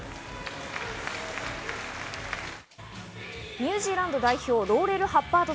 ニュージーランド、ローレル・ハッバード。